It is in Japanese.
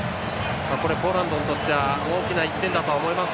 これ、ポーランドにとっては大きな１点だったと思います。